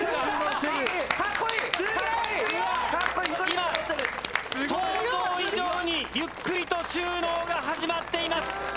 今想像以上にゆっくりと収納が始まっています。